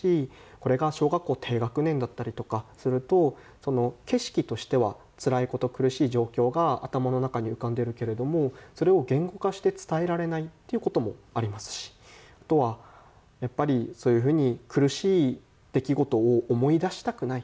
これが小学校低学年だったりとかすると景色としてはつらいこと、苦しい状況が頭の中に浮かんでいるけれどもそれを言語化して伝えられないっていうこともありますしあとはやっぱり、そういうふうに苦しい出来事を思い出したくない。